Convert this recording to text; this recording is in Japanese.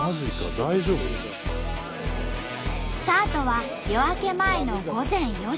大丈夫？スタートは夜明け前の午前４時。